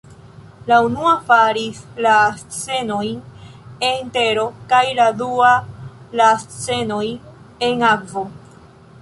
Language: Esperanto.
La unua faris la scenojn en tero kaj la dua la scenojn en akvo.